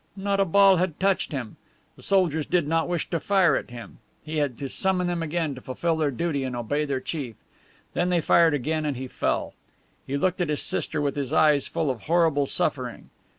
Not a ball had touched him. The soldiers did not wish to fire at him. He had to summon them again to fulfill their duty, and obey their chief. Then they fired again, and he fell. He looked at his sister with his eyes full of horrible suffering.